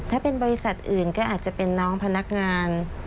ถ้าเป็นบริษัทอื่นก็อาจจะเป็นน้องพนักงาน